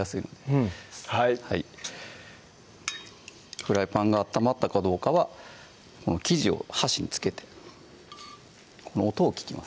フライパンが温まったかどうかは生地を箸に付けてこの音を聴きます